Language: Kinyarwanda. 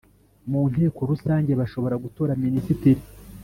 mu Nteko Rusange Bashobora gutora minisitiri